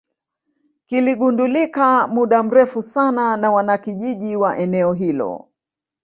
kiligundulika muda mrefu sana na wanakijiji wa eneo hilo